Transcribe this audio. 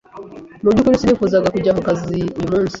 Mu byukuri sinifuzaga kujya ku kazi uyu munsi.